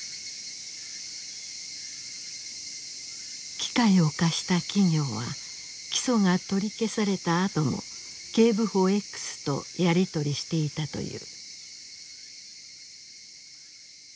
機械を貸した企業は起訴が取り消されたあとも警部補Ｘとやり取りしていたという。